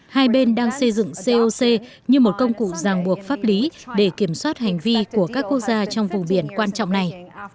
hai bên đang xây dựng coc như một công cụ ràng buộc pháp lý để kiểm soát hành vi của các quốc gia trong vùng biển quan trọng này